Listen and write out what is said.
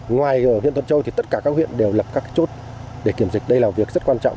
ngoài huyện thuận châu thì tất cả các huyện đều lập các chốt để kiểm dịch đây là việc rất quan trọng